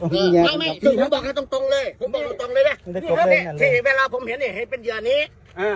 ที่เวลาผมเห็นให้เป็นย่างนี้อ้าว